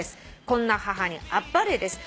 「こんな母にあっぱれです」